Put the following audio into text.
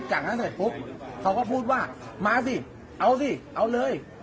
จากนั้นเสร็จปุ๊บเขาก็พูดว่ามาสิเอาสิเอาเลย